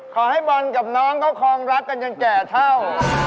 ขอให้บอลกับน้องเขาคลองรักกันจนแก่เท่า